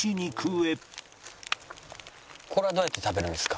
これはどうやって食べるんですか？